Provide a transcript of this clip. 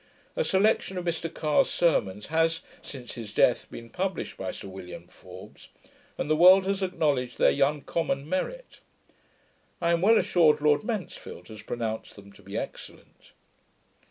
A selection of Mr Carre's sermons has, since his death, been published by Sir William Forbes, and the world has acknowledged their uncommon merit. I am well assured Lord Mansfield has pronounced them to be excellent.